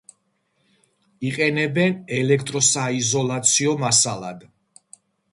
იყენებენ ელექტროსაიზოლაციო მასალად.